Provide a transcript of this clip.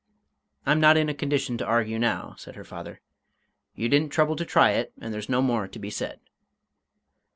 "I'm not in a condition to argue now," said her father; "you didn't trouble to try it, and there's no more to be said."